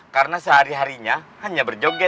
karena sehari harinya hanya berjoget